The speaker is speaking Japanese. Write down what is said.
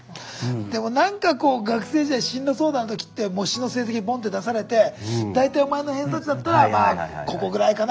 でも何かこう学生時代進路相談の時って模試の成績ボンッて出されて大体お前の偏差値だったらまあここぐらいかな。